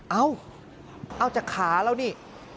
เอาเอาจากขาแล้วนี่